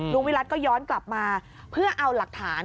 วิรัติก็ย้อนกลับมาเพื่อเอาหลักฐาน